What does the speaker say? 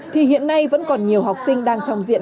thì hiện nay vẫn còn nhiều học sinh đang trong diện